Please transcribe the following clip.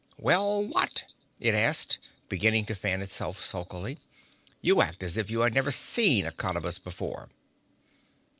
"Well, what?" it asked, beginning to fan itself sulkily. "You act as if you had never seen a Cottabus before."